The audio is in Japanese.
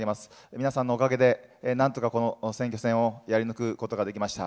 皆さんのおかげで、なんとかこの選挙戦をやり抜くことができました。